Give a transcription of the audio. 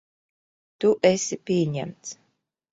Tu esi pieņemts.